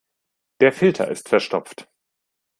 Der Filter ist verstopft.